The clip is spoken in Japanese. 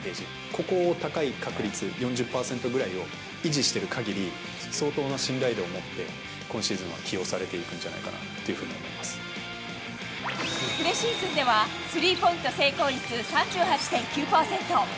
ここを高い確率４０％ぐらいを維持しているかぎり、相当な信頼度を持って今シーズンは起用されていくんじゃないかなプレシーズンでは、スリーポイント成功率３８．９％。